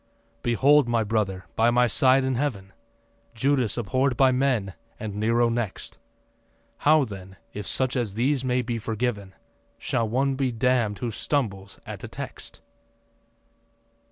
Behold, my brother, by my side in Heaven Judas abhor'd by men and Nero next. How then, if such as these may be forgiven, Shall one be damn'd who stumbles at a text?